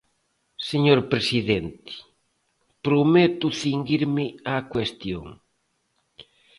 Señor presidente, prometo cinguirme á cuestión.